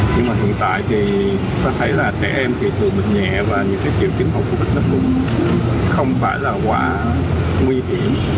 nhưng mà hiện tại thì ta thấy là trẻ em thì thường bị nhẹ và những triệu chứng hậu covid một mươi chín cũng không phải là quả nguy hiểm